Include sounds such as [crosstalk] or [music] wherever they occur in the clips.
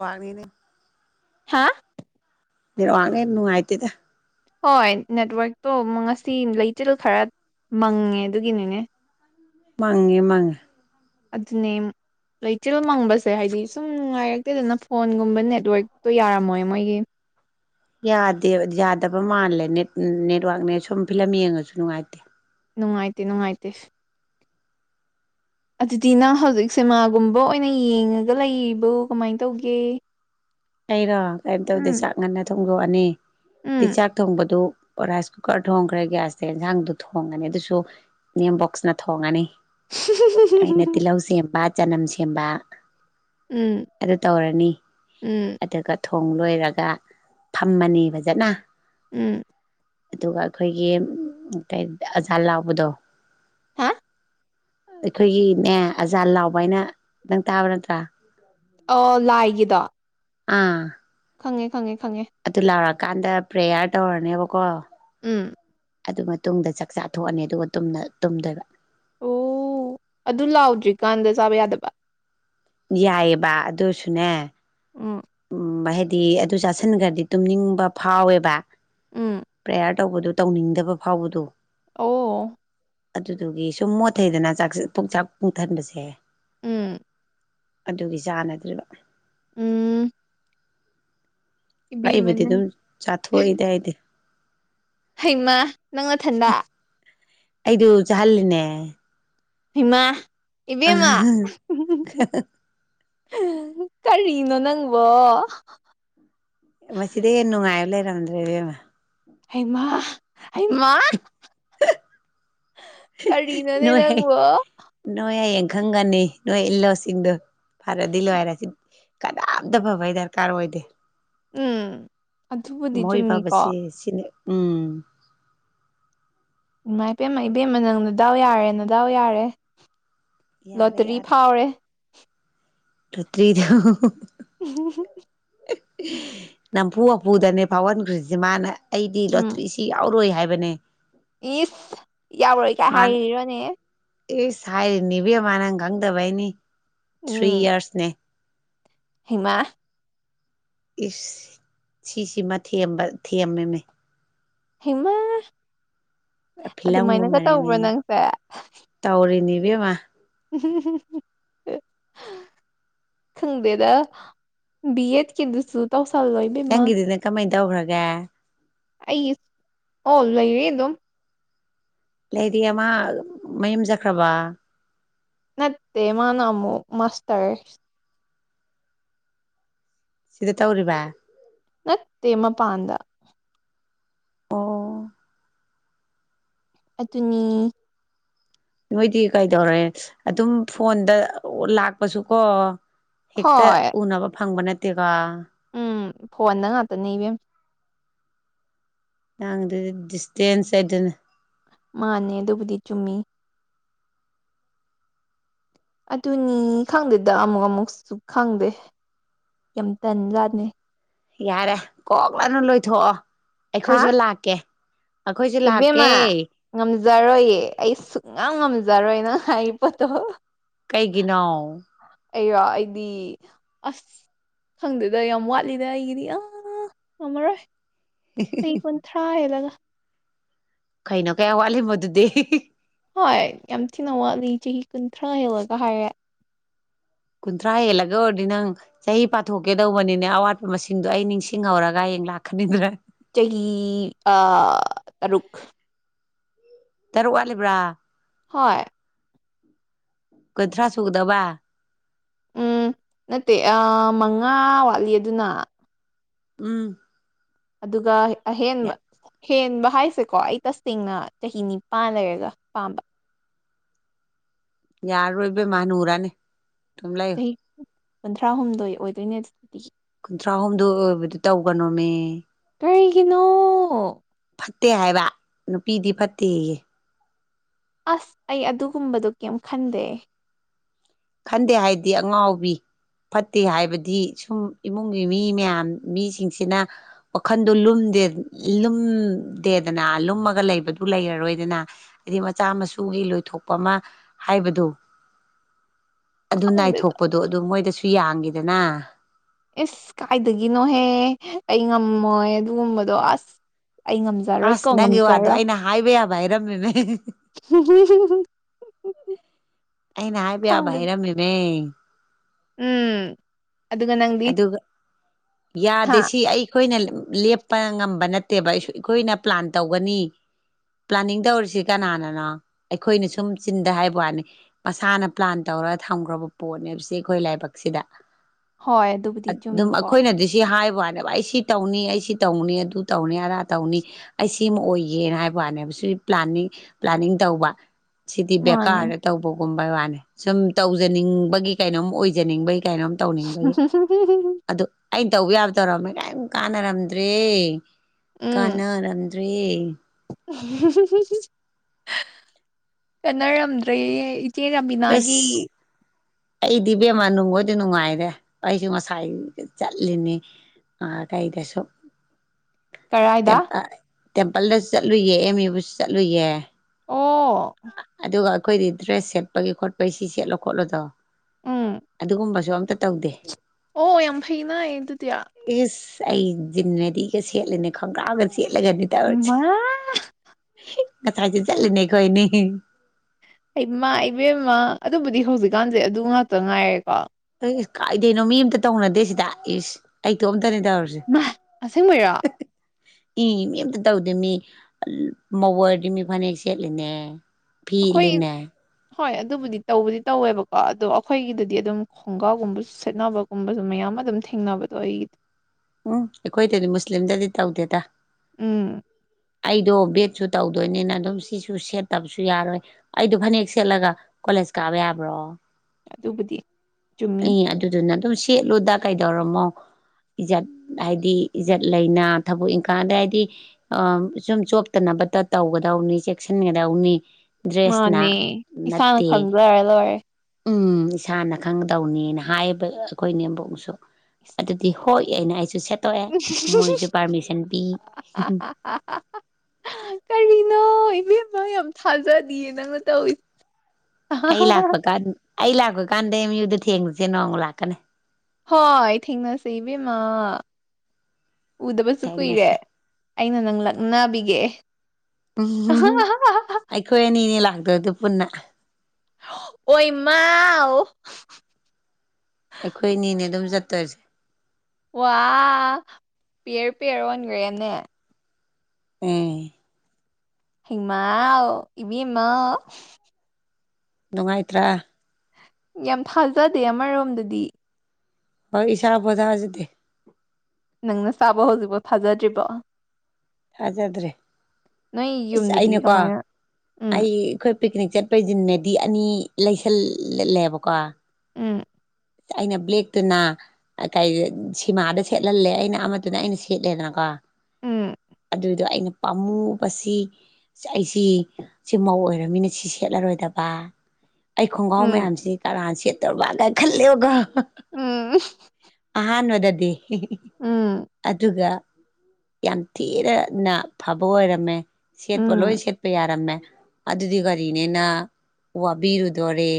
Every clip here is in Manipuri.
ꯃꯅꯤꯅꯦ ꯍꯥ ꯅ‌ꯦꯠꯋꯥꯛꯅ‌ꯦ ꯅꯨꯡꯉꯥꯏꯇ‌ꯦꯗ ꯍꯣꯏ ꯅꯦꯠꯋꯔꯛꯇꯣ ꯉꯁꯤ ꯂꯩꯆꯜ ꯈꯔ ꯃꯪꯉꯦ ꯑꯗꯨꯒꯤꯅꯤꯅꯦ ꯃꯪꯉꯦ ꯃꯪꯉ‌ꯦ ꯑꯗꯨꯅ‌ꯦ ꯂꯩꯆꯤꯦꯜ ꯃꯪꯕꯁꯦ ꯍꯥꯏꯗꯤ ꯁꯨꯝ ꯅꯨꯡꯉꯥꯏꯔꯛꯇꯦꯗꯅ ꯐꯣꯟꯒꯨꯝꯕ ꯅꯦꯠꯋꯔꯛꯇꯣ ꯌꯥꯔꯝꯃꯣꯏ ꯃꯣꯏꯒꯤ ꯌꯥꯗꯦ ꯌꯥꯗꯕ ꯃꯥꯜꯂꯦ ꯅ‌ꯦꯠ ꯅꯦꯠꯋꯥꯛꯅꯦ ꯁꯨꯝ ꯐꯤꯂꯝ ꯌꯦꯡꯉꯁꯨ ꯅꯨꯡꯉꯥꯏꯇꯦ ꯅꯨꯡꯉꯥꯏꯇꯦ ꯅꯨꯡꯉꯥꯏꯇꯦ ꯑꯗꯨꯗꯤ ꯅꯪ ꯍꯧꯖꯤꯛ ꯁꯦꯃꯥꯒꯨꯝꯕ ꯑꯣꯏꯅ ꯌꯦꯡꯉꯒ ꯂꯩꯔꯤꯕ‌ꯣ ꯀꯃꯥꯏꯅ ꯇꯧꯒꯦ ꯑꯩꯔꯣ ꯀꯩꯝ ꯇꯧꯗꯦ ꯎꯝ ꯆꯥꯛ ꯉꯟꯅ ꯊꯣꯡꯗꯣꯛꯑꯅꯤ ꯑꯗ‌‌ꯩ ꯎꯝ ꯆꯥꯛ ꯊꯣꯡꯕꯗꯨ ꯔꯥꯏꯁ ꯀꯨꯀꯔ ꯊꯣꯡꯈ꯭ꯔꯦ ꯒ꯭ꯌꯥꯁꯇ ꯌꯦꯟꯁꯥꯡꯗꯨ ꯊꯣꯡꯉꯅꯤ ꯑꯗꯨꯁꯨ ꯏꯅ‌ꯦꯝ ꯕꯣꯛꯁꯅ ꯊꯣꯡꯉꯅꯤ ꯑꯩꯅ ꯇꯤꯜꯂꯧ ꯁꯦꯝꯕ ꯆꯅꯝ ꯁꯦꯝꯕ ꯎꯝ ꯑꯗꯨ ꯇꯧꯔꯅꯤ ꯎꯝ ꯑꯗꯨꯒ ꯊꯣꯡ ꯂꯣꯏꯔꯒ ꯐꯝꯃꯅꯤ ꯐꯖꯅ ꯎꯝ ꯑꯗꯨꯒ ꯑꯩꯈꯣꯏꯒꯤ ꯎꯝ ꯀꯩ ꯑꯖꯥ ꯂꯥꯎꯕꯗꯣ ꯍꯥ ꯑꯩꯈꯣꯏꯒꯤꯅꯦ ꯑꯖꯥꯔ ꯂꯥꯎꯕ ꯍꯥꯏꯅ ꯅꯪ ꯇꯥꯕꯥ ꯅꯠꯇ꯭ꯔꯥ ꯑꯧ ꯂꯥꯏꯒꯤꯗꯣ ꯑꯥ ꯈꯪꯉꯦ ꯈꯪꯉꯦ ꯈꯪꯉꯦ ꯑꯗꯨ ꯂꯥꯎꯔꯀꯥꯟꯗ ꯄ꯭ꯔꯦꯌꯥꯔ ꯇꯧꯔꯅꯦꯕꯀꯣ ꯎꯝ ꯑꯗꯨ ꯃꯇꯨꯡꯗ ꯆꯥꯛ ꯆꯥꯊꯣꯛꯑꯅꯤ ꯑꯗꯨꯒ ꯇꯨꯝꯗꯣꯏꯕ ꯑꯣ ꯑꯗꯨ ꯂꯥꯎꯗ꯭ꯔꯤꯀꯥꯟꯗ ꯆꯥꯕ ꯌꯥꯗꯕ ꯌꯥꯏꯑꯦꯕ ꯑꯗꯨꯁꯨꯅꯦ ꯎꯝ ꯎꯝ ꯍꯥꯏꯗꯤ ꯑꯗꯨ ꯆꯥꯁꯤꯟꯈ꯭ꯔꯗꯤ ꯇꯨꯝꯅꯤꯡꯕ ꯐꯥꯎꯋꯦꯕ ꯎꯝ ꯄ꯭ꯔꯦꯌꯔ ꯇꯧꯕꯗꯨ ꯇꯧꯅꯤꯡꯗꯕ ꯐꯥꯎꯕꯗꯣ ꯑꯣ ꯑꯗꯨꯗꯨꯒꯤ ꯁꯨꯝ ꯃꯣꯠꯊꯩꯗꯅ ꯄꯨꯆꯥꯛ ꯄꯨꯡꯊꯟꯕꯁꯦ ꯎꯝ ꯑꯗꯨꯒꯤ ꯆꯥꯟꯅꯗ꯭ꯔꯤꯕ ꯎꯝ ꯏꯕꯦꯝꯃ ꯑꯩꯕꯨꯗꯤ ꯅꯪ ꯑꯗꯨꯝ ꯆꯥꯊꯣꯛꯏꯗ ꯑꯩꯗꯤ ꯍꯩꯃꯥ ꯅꯪꯅꯊꯟꯗ ꯑꯩꯗꯨ ꯆꯥꯛꯍꯜꯂꯤꯅꯦ ꯏꯃꯥ ꯏꯕꯦꯝꯃ ꯀꯔꯤꯅꯣ ꯅꯪꯕꯣ ꯃꯁꯤꯗꯗꯤ ꯍꯦꯟꯅ ꯅꯨꯡꯉꯥꯏꯕ ꯂꯩꯔꯝꯗ꯭ꯔꯦ ꯏꯕꯦꯝꯃ ꯍꯩꯃꯥ ꯍꯩꯃꯥ ꯀꯔꯤꯅꯣꯅꯦ ꯅꯣꯏ ꯍꯌꯦꯡ ꯅꯪꯕꯣ ꯅꯣꯏ ꯍꯌꯦꯡ ꯈꯪꯒꯅꯤ ꯅꯣꯏ ꯏꯟꯂꯣꯁꯤꯡꯗꯣ ꯐꯔꯗꯤ ꯂꯣꯏꯔꯁꯤ ꯀꯅꯥꯝꯇ ꯐꯕꯩ ꯗꯔꯀꯥꯔ ꯑꯣꯏꯗꯦ ꯎꯝ ꯑꯗꯨꯕꯨꯗꯤ ꯃꯣꯏ ꯐꯕꯁꯦ ꯆꯨꯝꯃꯤꯀꯣ ꯁꯤꯅꯦ ꯎꯝ ꯏꯃꯥ ꯏꯄꯦꯝꯃ ꯏꯕꯦꯝꯃ ꯅꯪ ꯅꯗꯥꯎ ꯌꯥꯔꯦ ꯅꯗꯥꯎ ꯌꯥꯔꯦ ꯌꯥꯔꯦ ꯂꯣꯇ꯭ꯔꯤ ꯐꯥꯎꯔꯦ ꯂꯣꯠꯇ꯭ꯔꯤꯗꯣ ꯎ [inaudible] ꯅꯝꯐꯨ ꯍꯥꯐꯨꯗꯅꯦ ꯐꯥꯎꯍꯟꯈꯣꯏꯁꯦ ꯃꯥꯅ ꯑꯩꯗꯤ ꯂꯣꯠꯇ꯭ꯔꯤꯁꯦ ꯌꯥꯎꯔꯣꯏ ꯍꯥꯏꯕꯅꯦ ꯏꯁꯁꯥ ꯌꯥꯎꯔꯣꯏꯀ ꯃꯥꯅ ꯍꯥꯏꯔꯤꯔꯣꯅꯦ ꯏꯁ ꯍꯥꯏꯔꯤꯅꯦ ꯏꯕꯦꯝꯃ ꯅꯪ ꯈꯪꯗꯕꯩꯅꯤ ꯊ꯭ꯔꯤ ꯌꯤꯌꯔꯁꯅꯦ ꯍꯩꯃꯥ ꯏꯁ ꯁꯤꯁꯤꯃ ꯊꯦꯝꯕ ꯊꯦꯝꯃꯤꯅꯦ ꯍꯩꯃꯥ ꯑꯗꯨꯃꯥꯏꯅꯒ ꯐꯤꯂꯝꯒꯨꯝꯕꯅꯦꯃꯤ ꯇꯧꯕ꯭ꯔꯣ ꯅꯪꯁꯦ ꯇꯧꯔꯤꯅꯤ ꯏꯕꯦꯝꯃ [inaudible] ꯈꯪꯗꯦꯗ ꯕꯤ ꯑꯦꯗ ꯀꯤꯗꯨꯁꯨ ꯇꯧꯁꯜꯂꯣꯏ ꯅꯪꯒꯤꯗꯨꯅ ꯀꯃꯥꯏ ꯇꯧꯈ꯭ꯔꯒꯦ ꯑꯩꯒꯤ ꯑꯣ ꯂꯩꯔꯤ ꯑꯗꯨꯝ ꯂꯩꯗꯤ ꯑꯃ ꯃꯌꯨꯝ ꯆꯠꯈ꯭ꯔꯕ ꯅꯠꯇꯦ ꯃꯅꯥ ꯑꯃꯨꯛ ꯃꯥꯁꯇꯔ ꯁꯤꯗ ꯇꯧꯔꯤꯕ ꯅꯠꯇꯦ ꯃꯄꯥꯟꯗ ꯑꯣ ꯑꯗꯨꯅꯤ ꯅꯣꯏꯗꯤ ꯀꯩꯗꯧꯔꯦ ꯑꯗꯨꯝ ꯐꯣꯟꯗ ꯂꯥꯛꯄꯁꯨꯀꯣ ꯍꯦꯛꯇ ꯍꯣꯏ ꯎꯅꯕ ꯐꯪꯕ ꯅꯠꯇꯦꯀꯣ ꯎꯝ ꯐꯣꯟꯗ ꯉꯥꯛꯇꯅꯦ ꯏꯕꯦꯝꯃ ꯅꯍꯥꯟꯒꯤꯗꯨꯗꯤ ꯗꯤꯁꯇꯦꯟꯁ ꯍꯥꯏꯗꯨꯅꯦ ꯃꯥꯅꯦ ꯑꯗꯨꯕꯨꯗꯤ ꯆꯨꯝꯃꯤ ꯑꯗꯨꯅꯤ ꯈꯪꯗꯦꯗ ꯑꯃꯨꯛ ꯑꯃꯨꯛꯆꯨ ꯈꯪꯗꯦ ꯌꯥꯝ ꯇꯟꯖꯥꯠꯅꯤ ꯌꯥꯔꯦ ꯀꯣꯛ ꯂꯣꯏꯅ ꯂꯣꯏꯊꯣꯛꯑꯣ ꯑꯩꯈꯣꯏꯖꯨ ꯂꯥꯛꯀꯦ ꯑꯩꯈꯣꯏꯁꯨ ꯂꯥꯛꯀꯦ ꯏꯕꯦꯝꯃꯥ ꯉꯝꯖꯔꯣꯏꯌꯦ ꯑꯩ ꯁꯨꯡꯉꯥꯝ ꯉꯝꯖꯔꯣꯏ ꯅꯪ ꯍꯥꯏꯔꯤ ꯄꯣꯠꯇꯣ ꯀꯩꯒꯤꯅꯣ ꯑꯩꯔꯣ ꯑꯩꯗꯤ ꯑꯁ ꯈꯪꯗꯦꯗ ꯌꯥꯝ ꯋꯥꯠꯂꯤꯗ ꯑꯩꯒꯤꯗꯤ ꯑ ꯉꯝꯃꯔꯣꯏ ꯆꯍꯤ ꯀꯨꯟꯊ꯭ꯔꯥ ꯍꯦꯜꯂꯒ ꯈꯩꯅꯣ ꯀꯌꯥ ꯋꯥꯠꯂꯤꯃꯣ ꯑꯗꯨꯗꯤ ꯍꯣꯏ ꯌꯥꯝ ꯊꯤꯅ ꯋꯥꯠꯂꯤ ꯆꯍꯤ ꯀꯨꯟꯊ꯭ꯔꯥ ꯍꯦꯜꯂꯒ ꯍꯥꯏꯔꯦ ꯀꯨꯟꯊ꯭ꯔꯥ ꯍꯦꯜꯂꯒ ꯑꯣꯏꯔꯗꯤ ꯅꯪ ꯆꯍꯤ ꯄꯥꯊꯣꯛꯀꯦ ꯇꯧꯕꯅꯤꯅꯦ ꯑꯋꯥꯠꯄ ꯃꯁꯤꯡꯗꯣ ꯑꯩ ꯅꯤꯡꯁꯤꯡꯍꯧꯔꯒ ꯍꯌꯦꯡ ꯂꯥꯛꯈꯅꯤꯗ꯭ꯔ ꯆꯒꯤ ꯑꯥ ꯇꯔꯨꯛ ꯇꯔꯨꯛ ꯋꯥꯠꯂꯤꯕ꯭ꯔꯥ ꯍꯣꯏ ꯀꯨꯟꯊ꯭ꯔꯥ ꯁꯨꯒꯗꯕꯥ ꯎꯝ ꯅꯠꯇꯦ ꯑꯥ ꯃꯉꯥ ꯋꯥꯠꯂꯤ ꯑꯗꯨꯅ ꯎꯝ ꯑꯗꯨꯒ ꯑꯍꯦꯟꯕ ꯍꯦꯟꯕ ꯍꯥꯏꯁꯦꯀꯣ ꯑꯩ ꯇꯁꯦꯡꯅ ꯆꯍꯤ ꯅꯤꯄꯥꯟ ꯂꯩꯔꯒ ꯄꯥꯝꯕ ꯌꯥꯔꯔꯣꯏ ꯏꯕꯦꯝꯃꯥ ꯍꯅꯨꯔꯅꯤ ꯊꯨꯝꯂꯩ ꯀꯨꯟꯊ꯭ꯔꯥꯍꯨꯝꯗꯣꯏ ꯑꯣꯏꯗꯣꯏꯅꯦ ꯀꯨꯟꯊ꯭ꯔꯥꯍꯨꯝꯗꯣꯏ ꯑꯣꯏꯕꯗꯨ ꯇꯧꯒꯅꯣꯃꯤ ꯀꯩꯒꯤꯅꯣ ꯐꯠꯇꯦ ꯍꯥꯏꯕ ꯅꯨꯄꯤꯗꯤ ꯐꯠꯇꯦꯌꯦ ꯑꯁ ꯑꯩ ꯑꯗꯨꯒꯨꯝꯕꯗꯣ ꯀꯩꯝ ꯈꯟꯗꯦ ꯈꯟꯗꯦ ꯍꯥꯏꯗꯤ ꯑꯉꯥꯎꯕꯤ ꯐꯠꯇꯦ ꯍꯥꯏꯕꯗꯤ ꯁꯨꯝ ꯏꯃꯨꯡꯒꯤ ꯃꯤ ꯃꯌꯥꯝ ꯃꯤꯁꯤꯡꯁꯤꯅ ꯋꯥꯈꯟꯗꯣ ꯂꯨꯝꯗꯦ ꯂꯨꯝꯗꯦꯗꯅ ꯂꯨꯝꯃꯒ ꯂꯩꯕꯗꯨ ꯂꯩꯔꯔꯣꯏꯗꯅ ꯍꯥꯏꯗꯤ ꯃꯆꯥ ꯃꯁꯨꯒꯤ ꯂꯣꯏꯊꯣꯛꯄ ꯑꯃꯥ ꯍꯥꯏꯕꯗꯨ ꯑꯗꯨ ꯈꯪꯗꯦꯗ ꯅꯥꯏꯊꯣꯛꯄꯗꯣ ꯑꯗꯨ ꯃꯣꯏꯗꯁꯨ ꯌꯥꯡꯒꯤꯗꯅ ꯏꯁ ꯀꯥꯏꯗꯒꯤꯅꯣꯍꯦ ꯑꯩ ꯉꯝꯃꯣꯏ ꯑꯗꯨꯒꯨꯝꯕꯗꯣ ꯑꯁ ꯑꯩ ꯉꯝ ꯆꯥꯔꯣꯏꯀꯣ ꯑꯁ ꯅꯪꯒꯤ ꯋꯥꯗꯣ ꯉꯝꯆꯥꯔꯣ ꯑꯩꯅ ꯍꯥꯏꯕ ꯌꯥꯕ ꯍꯥꯏꯔꯝꯃꯤꯃꯦ ꯑꯩꯅ ꯍꯥꯏꯕ ꯌꯥꯕ ꯈꯪꯗꯦ ꯍꯥꯏꯔꯝꯃꯤꯃꯦ ꯎꯝ ꯑꯗꯨꯒ ꯅꯪꯗꯤ ꯑꯗꯨꯒ ꯍꯥ ꯌꯥꯗꯦ ꯁꯤ ꯑꯩ ꯈꯣꯏꯅ ꯂꯦꯞꯄ ꯉꯝꯕ ꯅꯠꯇꯦꯕ ꯏꯁꯨ ꯏꯈꯣꯏꯅ ꯄ꯭ꯂꯥꯟ ꯇꯧꯒꯅꯤ ꯄ꯭ꯂꯥꯅꯤꯡ ꯇꯧꯔꯤꯁꯤ ꯀꯅꯥꯅꯅꯣ ꯑꯩꯈꯣꯏꯅ ꯁꯨꯝ ꯆꯤꯟꯗ ꯍꯥꯏꯕ꯭ꯋꯥꯅꯤ ꯃꯁꯥꯅ ꯄ꯭ꯂꯥꯟ ꯇꯧꯔꯒ ꯊꯝꯒ꯭ꯔꯕ ꯄꯣꯠꯅꯦꯕ ꯁꯤ ꯈꯣꯏ ꯂꯥꯏꯕꯛꯁꯤꯗ ꯍꯣꯏ ꯑꯗꯨꯕꯨꯗꯤ ꯑꯗꯨꯝ ꯆꯨꯝꯃꯤꯀꯣ ꯑꯈꯣꯏꯅꯗꯤ ꯁꯤ ꯍꯥꯏꯕꯋꯥꯟꯅꯦꯕ ꯑꯩ ꯁꯤ ꯇꯧꯅꯤ ꯑꯩ ꯁꯤ ꯇꯧꯅꯤ ꯑꯗꯨ ꯇꯧꯅꯤ ꯑꯔꯥ ꯇꯧꯅꯤ ꯑꯩ ꯁꯤꯃ ꯑꯣꯏꯒꯦꯅ ꯍꯥꯏꯕ ꯋꯥꯅꯦꯕ ꯁꯤꯗꯤ ꯄ꯭ꯂꯥꯅꯤꯡ ꯄ꯭ꯂꯥꯅꯤꯡ ꯇꯧꯕ ꯁꯤꯗꯤ ꯃꯥꯅꯦ ꯕꯦꯀꯥꯔꯛ ꯇꯧꯕꯒꯨꯝꯕꯩ ꯋꯥꯅꯤ ꯁꯨꯝ ꯇꯧꯖꯅꯤꯡꯕꯒꯤ ꯀꯩꯅꯣꯝ ꯑꯣꯏꯖꯅꯤꯡꯕꯒꯤ ꯀꯩꯅꯣꯝ ꯇꯧꯅꯤꯡꯕꯒꯤ ꯑꯗꯨ ꯑꯩ ꯇꯧꯕ ꯌꯥꯕ ꯇꯧꯔꯝꯃꯦ ꯀꯦꯝ ꯀꯥꯟꯅꯔꯝꯗ꯭ꯔꯦ ꯀꯥꯟꯅꯔꯝ ꯗ꯭ꯔꯦ ꯀꯥꯟꯅꯔꯝꯗ꯭ꯔꯦ ꯍꯥꯏ ꯑꯩꯁ ꯑꯩꯗꯤ ꯏꯕꯦꯝꯃ ꯅꯨꯡꯕꯨꯗꯤ ꯅꯨꯡꯉꯥꯏꯔꯦ ꯑꯩꯁꯨ ꯉꯁꯥꯏ ꯆꯠꯂꯤꯅꯤ ꯑ ꯀꯩꯗꯁꯨ ꯀꯔꯥꯏꯗ ꯇꯦꯝꯄ ꯇꯦꯝꯄꯜꯗꯁꯨ ꯆꯠꯂꯨꯏꯌꯦ ꯑꯦꯝ ꯌꯨꯕꯨꯁꯨ ꯆꯠꯂꯨꯌꯦ ꯑꯣ ꯑꯗꯨꯒ ꯑꯩꯈꯣꯏꯗꯤ ꯗ꯭ꯔꯦꯁ ꯁꯦꯠꯄꯒꯤ ꯈꯣꯠꯄꯒꯤ ꯁꯤ ꯁꯦꯠꯂꯣ ꯈꯣꯠꯂꯣꯗꯣ ꯎꯝ ꯑꯗꯨꯒꯨꯝꯕꯁꯨ ꯑꯝꯇ ꯇꯧꯗꯦ ꯑꯣ ꯌꯥꯝ ꯐꯩꯅ ꯑꯗꯨꯗꯤ ꯏꯁ ꯑꯩ ꯖꯤꯟꯅꯔꯤꯒ ꯁꯦꯠꯂꯤꯅꯤ ꯈꯣꯡꯒ꯭ꯔꯥꯎꯒ ꯁꯦꯠꯂꯒꯅꯤ ꯇꯧꯔꯤꯁꯦ ꯃꯥ ꯉꯁꯥꯏꯁꯨ ꯆꯠꯂꯤꯅꯦ ꯑꯩꯈꯣꯏ ꯑꯅꯤ ꯍꯩꯃꯥ ꯏꯕꯦꯝꯃ ꯑꯗꯨꯕꯨꯗꯤ ꯍꯧꯖꯤꯛꯀꯥꯟꯁꯦ ꯑꯗꯨ ꯉꯥꯛꯇ ꯉꯥꯏꯔꯦꯀꯣ ꯑꯩꯁ ꯀꯥꯏꯗꯩꯅꯣ ꯃꯤ ꯑꯝꯇ ꯇꯧꯅꯗꯦ ꯁꯤꯗꯥ ꯏꯁ ꯑꯩꯇꯣꯝꯇꯅꯦ ꯇꯧꯔꯤ ꯃꯥ ꯑꯁꯦꯡꯕꯩꯔꯣ ꯏ ꯃꯤ ꯑꯝꯇ ꯇꯧꯗꯦ ꯃꯤ ꯃꯧ ꯑꯣꯏꯔꯗꯤ ꯃꯤ ꯐꯅꯦꯛ ꯁꯦꯠꯂꯤꯅꯦ ꯐꯤ ꯑꯩꯈꯣꯏ ꯏꯟꯂꯤꯅꯦ ꯍꯣꯏ ꯑꯗꯨꯕꯨꯗꯤ ꯇꯧꯕꯨꯗꯤ ꯇꯧꯋꯦꯕꯀꯣ ꯑꯗꯣ ꯑꯩꯈꯣꯏꯒꯤꯗꯗꯤ ꯑꯗꯨꯝ ꯈꯣꯡꯒꯥꯎꯒꯨꯝꯕ ꯁꯦꯠꯅꯕ ꯀꯨꯝꯕꯖꯨ ꯃꯌꯥꯝ ꯑꯗꯨꯝ ꯊꯦꯡꯅꯕꯗꯣ ꯑꯩ ꯍꯨꯡ ꯑꯩꯈꯣꯏꯗꯗꯤ ꯃꯨꯁꯂꯤꯝꯗꯗꯤ ꯇꯧꯗꯦꯗꯥ ꯎꯝ ꯑꯩꯗꯣ ꯕꯦꯠꯁꯨ ꯇꯧꯗꯣꯏꯅꯤꯅ ꯑꯗꯨꯝ ꯁꯤꯁꯨ ꯁꯦꯠꯇꯕꯁꯨ ꯌꯥꯔꯣꯏ ꯑꯩꯗꯣ ꯐꯅꯦꯛ ꯁꯦꯠꯂꯒ ꯀꯣꯂꯦꯖ ꯀꯥꯕ ꯌꯥꯕ꯭ꯔꯣ ꯑꯗꯨꯕꯨꯗꯤ ꯆꯨꯝꯃꯤ ꯑꯦ ꯑꯗꯨꯗꯨꯅ ꯑꯗꯨꯝ ꯁꯦꯠꯂꯨꯗ ꯀꯩꯗꯧꯔꯝꯃꯣ ꯏꯖꯠ ꯍꯥꯏꯗꯤ ꯏꯖꯠ ꯂꯩꯅ ꯊꯕꯛ ꯏꯪꯈꯥꯡꯗ ꯍꯥꯏꯗꯤ ꯑ ꯁꯨꯝ ꯆꯣꯞꯇꯅꯕꯇ ꯇꯧꯒꯗꯧꯅꯤ ꯆꯦꯛꯁꯤꯟꯒꯗꯧꯅꯤ ꯗ꯭ꯔꯦꯁꯅ ꯃꯥꯅꯦ ꯏꯁꯥꯅ ꯅꯠꯇꯦ ꯈꯪꯖꯔ ꯂꯣꯏꯔꯦ ꯎꯝ ꯏꯁꯥꯅ ꯈꯪꯒꯗꯧꯅꯦꯅ ꯍꯥꯏꯌꯦꯕ ꯑꯩꯈꯣꯏ ꯏꯅꯦꯝꯕꯣꯛꯅꯁꯨ ꯑꯗꯨꯗꯤ ꯍꯣꯏ ꯑꯩꯅ ꯑꯩꯁꯨ ꯁꯦꯠꯇꯣꯛꯑꯦ ꯃꯣꯏꯁꯨ ꯄꯥꯔꯃꯤꯁꯟ ꯄꯤ ꯀꯔꯤꯅꯣ ꯏꯕꯦꯝꯃ ꯌꯥꯝ ꯊꯥꯖꯗꯤꯌꯦ ꯅꯪꯅ ꯇꯧꯏ ꯑꯩ ꯂꯥꯛꯄ ꯀꯥꯟ ꯑꯩ ꯂꯥꯛꯄ ꯀꯥꯟꯗꯩ ꯑꯦꯝ ꯌꯨꯗ ꯊꯦꯡꯅꯁꯦ ꯅꯣꯡꯃ ꯂꯥꯛꯀꯅꯤ ꯍꯣꯏ ꯊꯦꯡꯅꯁꯦ ꯏꯕꯦꯝꯃ ꯎꯗꯕꯁꯨ ꯀꯨꯏꯔꯦ ꯊꯦꯡꯅꯁꯦ ꯑꯩꯅ ꯅꯪ ꯂꯛꯅꯕꯤꯒꯦ [unintelligible] ꯑꯩꯈꯣꯏ ꯑꯅꯤꯅꯤ ꯂꯥꯛꯇꯣꯏꯗꯣ ꯄꯨꯟꯅ ꯑꯣꯏꯃꯥꯎ ꯑꯩꯈꯣꯏ ꯑꯅꯤꯅꯦ ꯑꯗꯨꯝ ꯆꯠꯇꯣꯏꯁꯦ ꯋꯥ ꯄ꯭ꯤꯌꯔ ꯄ꯭ꯤꯌꯔ ꯑꯣꯟꯒ꯭ꯔꯦꯅꯦ ꯎꯝ ꯍꯩꯃꯥꯎ ꯏꯕꯦꯝꯃꯥꯎ ꯅꯨꯡꯉꯥꯏꯇ꯭ꯔꯥ ꯌꯥꯝ ꯊꯥꯖꯗꯦ ꯑꯃꯔꯣꯝꯗꯗꯤ ꯍꯣꯏ ꯏꯁꯥꯕꯥꯎ ꯊꯥꯖꯗꯦ ꯅꯪ ꯅꯁꯥꯕꯥꯎ ꯍꯧꯖꯤꯛꯐꯥꯎ ꯊꯥꯖꯗ꯭ꯔꯤꯕꯣ ꯊꯥꯖꯗ꯭ꯔꯦ ꯅꯣꯏ ꯏꯁ ꯌꯨꯝꯗꯗꯤ ꯑꯩꯅꯀꯣ ꯑꯩ ꯀꯃꯥꯏꯅ ꯎꯝ ꯑꯩꯈꯣꯏ ꯄꯤꯛꯅꯤꯛ ꯆꯠꯄꯩꯗꯤ ꯅꯥꯗꯤ ꯑꯅꯤ ꯂꯩꯁꯜꯂꯦꯕꯀꯣ ꯎꯝ ꯑꯩꯅꯥ ꯕ꯭ꯂꯦꯛꯇꯨꯅ ꯀꯩ ꯁꯤꯃꯥꯗ ꯁꯦꯠꯍꯜꯂꯦ ꯑꯩꯅ ꯑꯃꯗꯨꯅ ꯑꯩꯅ ꯁꯦꯠꯂꯦꯗꯅꯀꯣ ꯎꯝ ꯑꯗꯨꯗꯣ ꯑꯩꯅ ꯄꯥꯝꯃꯨꯕꯁꯤ ꯑꯩꯁꯤ ꯁꯤ ꯃꯧ ꯑꯣꯏꯔꯝꯃꯤꯅ ꯁꯤ ꯁꯦꯠꯂꯔꯣꯏꯗꯕ ꯑꯩ ꯈꯣꯡꯒ꯭ꯔꯥꯎ ꯎꯝ ꯃꯌꯥꯝꯁꯤ ꯀꯥꯅꯅ ꯁꯦꯠꯇꯧꯔꯕ ꯀꯥꯏ ꯈꯜꯂꯦꯕꯀꯣ ꯎꯝ ꯑꯍꯥꯟꯕꯗꯗꯤ ꯎꯝ ꯑꯗꯨꯒ ꯌꯥꯝ ꯊꯤꯅ ꯐꯕ ꯑꯣꯏꯔꯝꯃꯦ ꯁꯦꯠꯄ ꯎꯝ ꯂꯣꯏ ꯁꯦꯠꯄ ꯌꯥꯔꯝꯃꯦ ꯑꯗꯨꯗꯤ ꯒꯥꯔꯤꯅꯦꯅ ꯋꯥꯕꯤꯔꯨꯗꯣꯔꯤ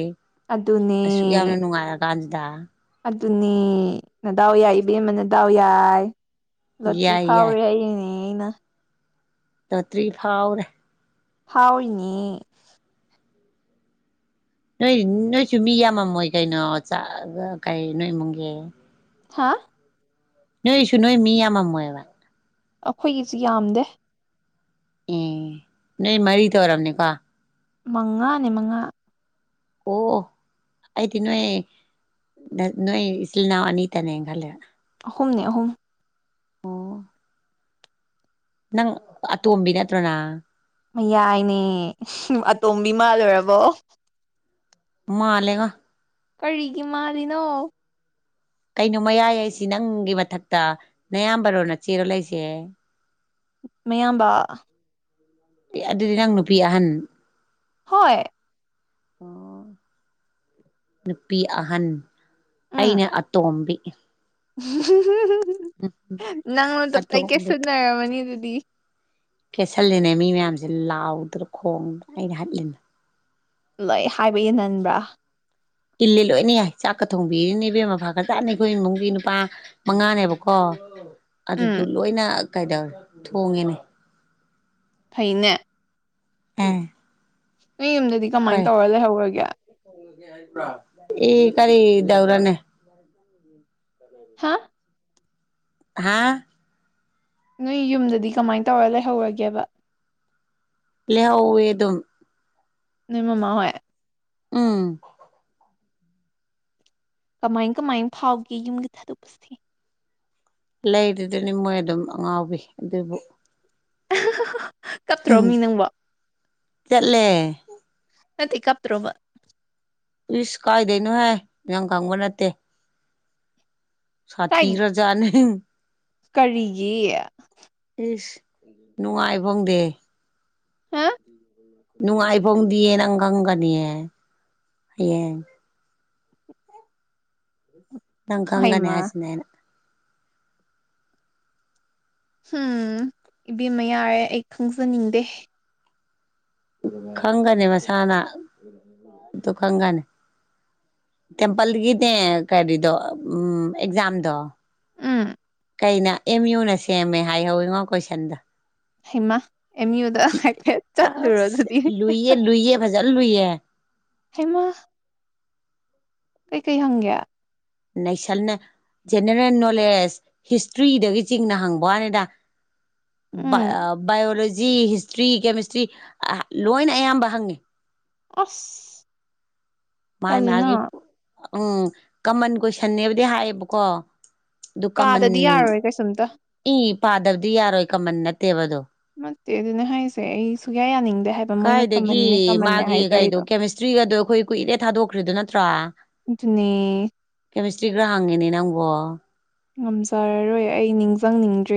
ꯑꯗꯨꯅꯦ ꯑꯁꯨꯛ ꯌꯥꯝꯅ ꯅꯨꯡꯉꯥꯏ ꯀꯥꯟꯗ ꯑꯗꯨꯅꯦ ꯅꯗꯥꯎ ꯌꯥꯏ ꯏꯕꯦꯝꯃ ꯅꯗꯥꯎ ꯌꯥꯏ ꯂꯣꯇ꯭ꯔꯤ ꯌꯥꯏ ꯐꯥꯎꯋꯦ ꯌꯥꯏ ꯍꯥꯏꯔꯤꯅꯦ ꯑꯩꯅ ꯂꯣꯇ꯭ꯔꯤ ꯐꯥꯎꯔꯦ ꯐꯥꯎꯔꯤꯅꯦ ꯅꯣꯏ ꯅꯣꯏꯁꯨ ꯃꯤ ꯌꯥꯝꯃꯝꯃꯣꯏ ꯀꯩꯅꯣ ꯆꯥꯒꯥ ꯀꯩ ꯅꯣꯏ ꯏꯃꯨꯡꯒꯤ ꯍꯥꯥ ꯅꯣꯏꯁꯨ ꯅꯣꯏ ꯃꯤ ꯌꯥꯝꯃꯝꯃꯣꯏꯕ ꯑꯩꯈꯣꯏꯒꯤꯁꯤ ꯌꯥꯝꯗꯦ ꯑꯝ ꯅꯣꯏ ꯃꯔꯤꯇꯥ ꯑꯣꯏꯔꯝꯅꯦꯀꯣ ꯃꯉꯥꯅꯤ ꯃꯉꯥ ꯑꯣ ꯑꯩꯗꯤ ꯅꯣꯏ ꯅꯣꯏ ꯏꯆꯤꯜ ꯏꯅꯥꯎ ꯑꯅꯤꯇꯅꯦ ꯈꯜꯂꯤꯅꯦ ꯑꯍꯨꯝꯅꯦ ꯑꯍꯨꯝ ꯑꯣ ꯅꯪ ꯑꯇꯣꯝꯕꯤ ꯅꯠꯇ꯭ꯔꯣ ꯅꯪ ꯃꯥꯌꯥꯏꯅꯦ ꯑꯇꯣꯝꯕꯤ ꯃꯥꯜꯂꯨꯔꯕꯣ ꯃꯥꯜꯂꯦꯉꯣ ꯀꯔꯤꯒꯤ ꯃꯥꯜꯂꯤꯅꯣ ꯀꯩꯅꯣ ꯃꯌꯥꯏ ꯍꯥꯏꯁꯤ ꯅꯪꯒꯤ ꯃꯊꯛꯇ ꯅꯌꯥꯝꯕꯔꯣ ꯅꯥꯆꯦꯔꯣ ꯂꯩꯁꯦ ꯃꯌꯥꯝꯕꯥ ꯑꯗꯨꯗꯤ ꯅꯪ ꯅꯨꯄꯤ ꯑꯍꯟ ꯍꯣꯏ ꯑꯣ [inaudible] ꯅꯨꯄꯤ ꯑꯍꯟ ꯑꯩꯅꯥ ꯑꯇꯣꯝꯕꯤ ꯎꯝ ꯅꯪꯉꯣꯟꯇ ꯄꯥꯏꯀꯦꯠ ꯑꯇꯣꯝꯕꯤ ꯁꯨꯅꯔꯝꯃꯅꯤ ꯑꯗꯨꯗꯤ ꯀꯦꯁꯜꯂꯤꯅꯦ ꯃꯤ ꯃꯌꯥꯝꯁꯦ ꯂꯥꯎꯗ꯭ꯔꯥ ꯈꯣꯡꯗꯅꯥ ꯑꯩꯅ ꯍꯥꯠꯂꯤꯝ ꯂꯣꯏ ꯍꯥꯏꯕ ꯏꯟꯍꯟꯕ꯭ꯔꯥ ꯏꯜꯂꯤ ꯂꯣꯏꯅ ꯌꯥꯏ ꯆꯥꯛꯀ ꯊꯣꯡꯕꯤꯔꯤꯅꯦ ꯏꯕꯦꯝ ꯐꯥ ꯈꯔ ꯆꯥꯅ ꯑꯩꯈꯣꯏ ꯏꯃꯨꯡꯒꯤ ꯅꯨꯄꯥ ꯃꯉꯥꯅꯦꯕꯀꯣ ꯑꯗꯨꯗ ꯎꯝ ꯂꯣꯏꯅ ꯀꯩꯗꯧꯔꯦ ꯊꯣꯡꯉꯦꯅꯦ ꯐꯩꯅꯦ ꯑꯝ ꯅꯣꯏ ꯌꯨꯝꯗꯗꯤ ꯀꯃꯥꯏꯅ ꯇꯧꯔꯥ ꯂꯩꯍꯧꯔꯒꯦ ꯏ ꯀꯔꯤ ꯗꯧꯔꯥꯅꯦ [unintelligible] ꯍꯥ ꯍꯥꯥ ꯅꯣꯏ ꯌꯨꯝꯗꯗꯤ ꯀꯃꯥꯏꯅ ꯇꯧꯔ ꯂꯩꯍꯧꯔꯒꯦꯕ ꯂꯍꯧꯋꯦ ꯑꯗꯨꯝ ꯅꯣꯏ ꯃꯃꯥ ꯍꯣꯏ ꯎꯝ ꯀꯃꯥꯏ ꯀꯃꯥꯏ ꯐꯥꯎꯒꯦ ꯌꯨꯝꯒꯤ ꯊꯥꯗꯣꯛꯛꯄꯁꯦ ꯂꯩꯗꯨꯗꯅꯤ ꯃꯣꯏ ꯑꯗꯨꯝ ꯑꯉꯥꯎꯕꯤ ꯑꯗꯨꯕꯨ ꯀꯞꯇ꯭ꯔꯣ ꯃꯤ ꯅꯪꯕ ꯆꯠꯂꯦ ꯅꯠꯇꯦ ꯀꯞꯇ꯭ꯔꯣꯕ ꯏꯁꯁ ꯀꯥꯏꯗꯣꯏꯩꯅꯣ ꯍꯥꯏ ꯅꯪ ꯈꯪꯕ ꯅꯠꯇꯦ ꯀꯥꯏ ꯁꯥꯊꯤ ꯈ꯭ꯔꯖꯥꯠꯅꯤ ꯀꯔꯤꯒꯤ ꯏꯁꯁ ꯅꯨꯡꯉꯥꯏ ꯐꯪꯗꯦ ꯍꯥ [unintelligible] ꯅꯨꯡꯉꯥꯏ ꯐꯥꯎꯗꯤꯌꯦ ꯅꯪ ꯈꯪꯒꯅꯤ ꯍꯌꯦꯡ ꯅꯪ ꯈꯪꯒꯅꯦ ꯍꯩꯃꯥ ꯍꯥꯏꯁꯤꯅꯦ ꯑꯩꯅ ꯍꯨꯝ ꯏꯕꯦꯝꯃ ꯌꯥꯔꯦ ꯑꯩ ꯈꯪꯖꯅꯤꯡꯗꯦ ꯈꯪꯒꯅꯤ ꯃꯁꯥꯅ ꯑꯗꯨ ꯈꯪꯒꯅꯤ ꯇꯦꯝꯄꯜꯒꯤꯅꯦ ꯀꯔꯤꯗꯣ ꯎꯝ ꯑꯦꯛꯖꯥꯝꯗꯣ ꯎꯝ ꯀꯩꯅꯣ ꯑꯦꯝ ꯌꯨꯅ ꯁꯦꯝꯃꯦ ꯍꯥꯏꯍꯧꯋꯤꯉꯣ ꯀꯣꯏꯁꯟꯗꯣ ꯍꯩꯃꯥ ꯑꯦꯝ ꯌꯨꯗ ꯍꯥꯏꯐꯦꯠ ꯆꯠꯂꯨꯔꯣ ꯑꯁ ꯑꯗꯨꯗꯤ ꯂꯨꯏꯌꯦ ꯂꯨꯏꯌꯦ ꯐꯖꯅ ꯂꯨꯏꯌꯦ ꯍꯦꯃꯥ ꯀꯩꯀꯩ ꯍꯪꯒꯦ ꯅꯩꯁꯜꯅꯦ ꯖꯦꯅꯦꯔꯦꯜ ꯅꯣꯂꯦꯖ ꯍꯤꯁꯇ꯭ꯔꯤꯗꯒꯤ ꯆꯤꯡꯅ ꯍꯪꯕ ꯋꯥꯅꯤꯗ ꯎꯝ ꯕꯥꯏꯑꯣꯂꯣꯖꯤ ꯍꯤꯁꯇ꯭ꯔꯤ ꯀꯦꯃꯤꯁꯇ꯭ꯔꯤ ꯂꯣꯏꯅ ꯑꯌꯥꯝꯕ ꯍꯪꯉꯦ ꯑꯁ ꯃꯥꯥꯏ ꯇꯜꯂꯤꯅ ꯃꯥꯒꯤ ꯎꯝ ꯀꯃꯟ ꯀꯣꯏꯁꯟꯅꯦꯕꯗꯤ ꯍꯥꯏꯌꯦꯕꯀꯣ ꯑꯗꯨ ꯀꯃꯟ ꯄꯥꯗꯗꯤ ꯌꯥꯔꯣꯏ ꯀꯩꯁꯨꯝꯇ ꯏ ꯄꯥꯗꯕꯗꯤ ꯌꯥꯔꯣꯏ ꯀꯃꯟ ꯅꯠꯇꯦꯕꯗꯣ ꯅꯠꯇꯦ ꯑꯗꯨꯅ ꯍꯥꯏꯁꯦ ꯑꯩ ꯁꯨꯨꯡꯛꯌꯥ ꯌꯥꯅꯤꯡꯗꯦ ꯍꯥꯏꯕ ꯃꯣꯏꯅ ꯀꯥꯏꯗꯒꯤ ꯀꯃꯟꯅꯦ ꯀꯃꯟꯅꯦ ꯃꯥꯒꯤ ꯀꯩꯗꯣ ꯍꯥꯏꯖꯔꯤꯗꯣ ꯀꯦꯃꯤꯁꯇ꯭ꯔꯤꯒꯗꯣ ꯑꯩꯈꯣꯏ ꯀꯨꯏꯔꯦ ꯊꯥꯗꯣꯛꯈ꯭ꯔꯤꯗꯣ ꯅꯠꯇ꯭ꯔꯥ ꯑꯗꯨꯅꯦ ꯀꯦꯃꯤꯁꯇ꯭ꯔꯤꯒ ꯍꯪꯏꯅꯦ ꯅꯪꯕꯨ ꯎꯝꯖꯔꯔꯣꯏ ꯑꯩ ꯅꯤꯡꯖꯪꯅꯤꯡꯗ꯭ꯔꯦ